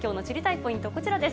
ポイント、こちらです。